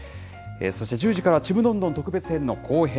そして、１０時からは、ちむどんどん特別編の後編。